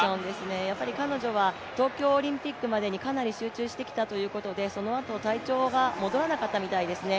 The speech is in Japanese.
やっぱり彼女は東京オリンピックまでにかなり集中してきたということでそのあと体調が戻らなかったみたいですね。